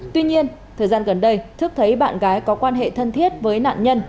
tuy nhiên thời gian gần đây thức thấy bạn gái có quan hệ thân thiết với nạn nhân